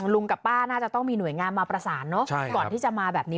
ลุงกับป้าน่าจะต้องมีหน่วยงานมาประสานเนอะก่อนที่จะมาแบบนี้